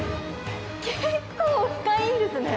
結構深いですね。